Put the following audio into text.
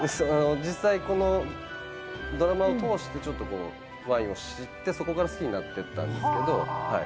実際ドラマを通してワインを知って、そこから好きになって、みたいな感じですけれども。